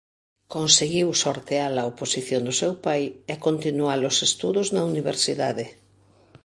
Conseguiu sortear a oposición do seu pai e continuar os estudos na universidade.